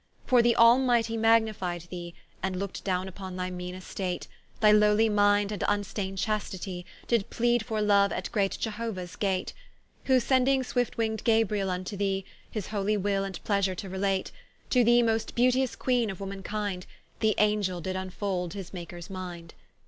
For the Almightie magnified thee, And looked downe vpon thy meane estate; Thy lowly mind, and vnstain'd Chastitie, Did pleade for Loue at great Iehouaes gate, Who sending swift wing'd Gabriel vnto thee, His holy will and pleasure to relate; To thee most beauteous Queene of Woman kind, The Angell did vnfold his Makers mind.